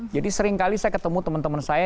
jadi sering kali saya ketemu teman teman saya